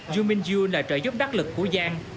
du minh du là trợ giúp đắc lực của giang